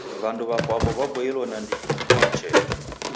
W'andu w'apwaw'o w'aboilo nandighi kufuma uchee.